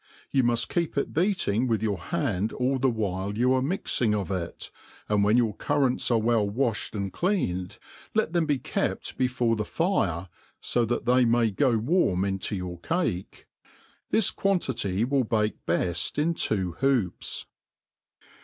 You muft keep it beating with your hand all the while you are miac Jng of it, and when your currants are well wa(hed and clean ed, let ihem be kept before the fire, fo that they may gp warm into your cake. This quantity will bake beft in two hoops.